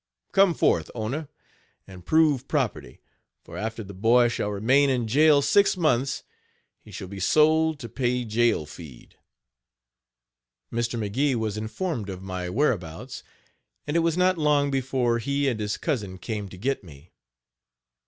Come forth owner, and prove property, for after the boy shall remain in jail six months he shall be sold to pay jail feed." Mr. McGee was informed of my whereabouts, and it was not long before he and his cousin came to get me.